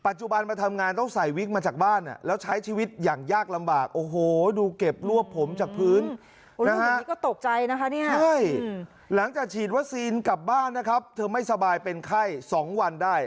ใช่หลังจากฉีดวัคซีนกลับบ้านนะครับเธอไม่สบายเป็นไข้๒วันได้